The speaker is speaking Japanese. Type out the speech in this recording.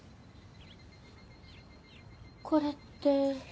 これって。